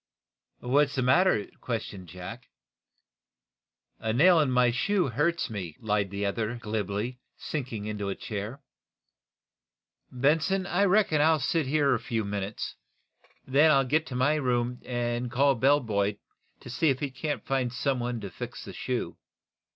"What's the matter?" questioned Jack. "A nail in my shoe hurts me," lied the other, glibly, sinking into a chair. "Benson, I reckon I'll sit here a few minutes. Then I'll get to my room and call a bell boy, to see if he can find some one to fix the shoe."